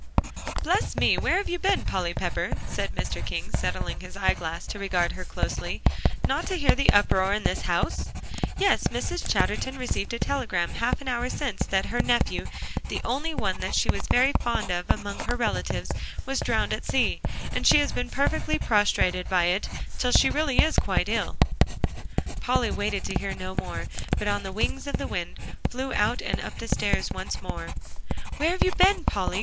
"Bless me! where have you been, Polly Pepper," said Mr. King, settling his eyeglass to regard her closely, "not to hear the uproar in this house? Yes, Mrs. Chatterton received a telegram a half hour since that her nephew, the only one that she was very fond of among her relatives, was drowned at sea, and she has been perfectly prostrated by it, till she really is quite ill." Polly waited to hear no more, but on the wings of the wind, flew out and up the stairs once more. "Where have you been, Polly?"